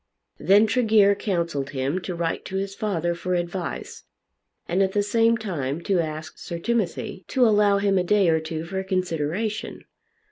Then Tregear counselled him to write to his father for advice, and at the same time to ask Sir Timothy to allow him a day or two for consideration.